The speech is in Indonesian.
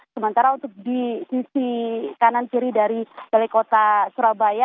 sementara untuk di sisi kanan kiri dari balai kota surabaya